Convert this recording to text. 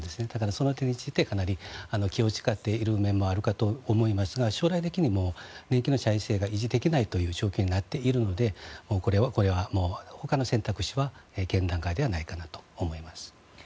そのためにかなり気を使っている面もあるかと思いますが将来的に年金の財政が維持できない状況になっているのでこれは他の選択肢は現段階ではないかなと思います。